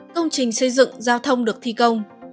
công trình xây dựng giao thông được thi công